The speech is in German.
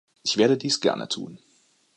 Ich werde dies gerne tun.